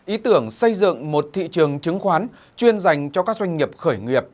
ý tưởng xây dựng một thị trường chứng khoán chuyên dành cho các doanh nghiệp khởi nghiệp